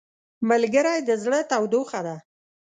ملګری د زړه تودوخه ده